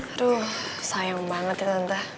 aduh sayang banget ya santa